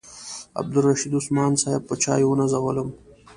عبدالرشید عثمان صاحب په چایو ونازولم.